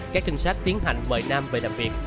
các trinh sát tiến hành mời nam về làm việc